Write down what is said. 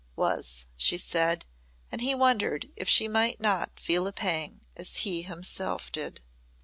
"Was," she said, and he wondered if she might not feel a pang as he himself did.